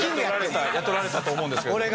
やっておられたと思うんですけど。